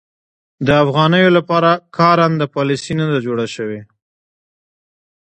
د افغانیو لپاره کارنده پالیسي نه ده جوړه شوې.